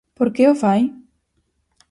Por que o fai?